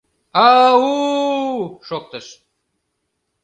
А-у!» шоктыш.